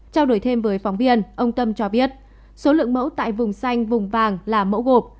trao đổi thêm với phóng viên ông tâm cho biết số lượng mẫu tại vùng xanh vùng vàng là mẫu gộp